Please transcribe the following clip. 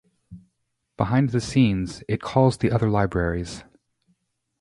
Behind the scenes, it calls the other libraries